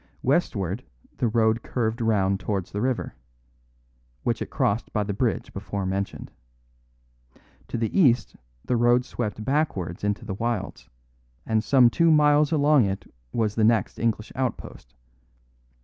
Westward the road curved round towards the river, which it crossed by the bridge before mentioned. To the east the road swept backwards into the wilds, and some two miles along it was the next English outpost.